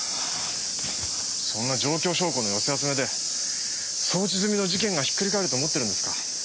そんな状況証拠の寄せ集めで送致済みの事件がひっくり返ると思ってるんですか？